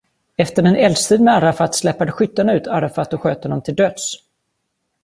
Efter en eldstrid med Arafat släpade skyttarna ut Arafat och sköt honom till döds.